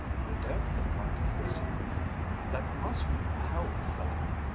You don't look like a prisoner. That must be the whole thing.